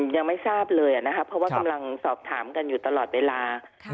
ยังไม่ทราบเลยนะครับเพราะว่ากำลังสอบถามกันอยู่ตลอดเวลา